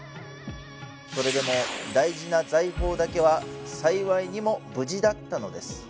それでも大事な財宝だけは幸いにも無事だったのです